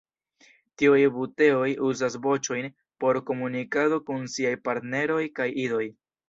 Tiuj buteoj uzas voĉojn por komunikado kun siaj partneroj kaj idoj.